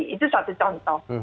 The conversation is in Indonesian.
itu satu contoh